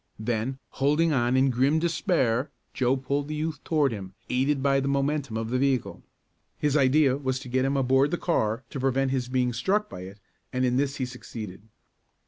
Then, holding on in grim despair Joe pulled the youth toward him, aided by the momentum of the vehicle. His idea was to get him aboard the car to prevent his being struck by it, and in this he succeeded.